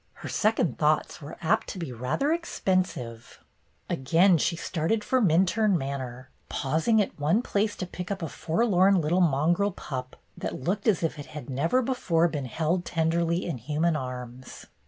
Her second thoughts were apt to be rather expensive ! Again she started for Minturne Manor, pausing at one place to pick up a forlorn little mongrel pup that looked as if it had never before been held tenderly in human arms.